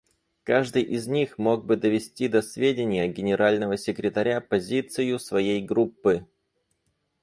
Каждый из них мог бы довести до сведения Генерального секретаря позицию своей группы.